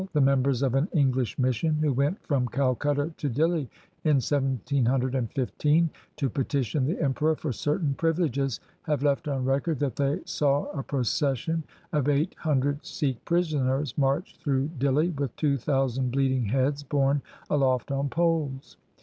The members of an English mission who went from Calcutta to Dihli in 1715 to petition the Emperor for certain privileges, have left on record that they saw a procession of eight hundred Sikh prisoners marched through Dihli with two thousand bleeding heads borne aloft on poles.